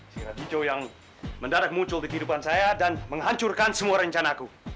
sirat hijau yang mendarat muncul di kehidupan saya dan menghancurkan semua rencanaku